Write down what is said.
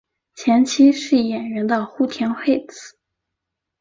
前妻是演员的户田惠子。